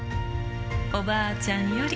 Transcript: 「おばあちゃんより」